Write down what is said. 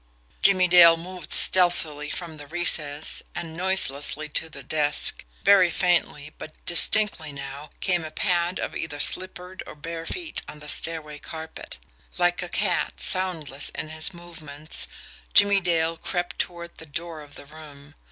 Jimmie Dale moved stealthily from the recess, and noiselessly to the desk. Very faintly, but distinctly now, came a pad of either slippered or bare feet on the stairway carpet. Like a cat, soundless in his movements, Jimmie Dale crept toward the door of the room.